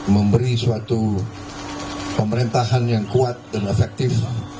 memberi suatu pemerintahan yang kuat dan efektif